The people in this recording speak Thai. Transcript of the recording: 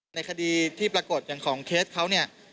ในคดีที่ปรากฏอย่างของเคสเขาเนี่ย